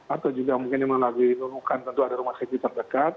atau juga mungkin melalui rumah sakit terdekat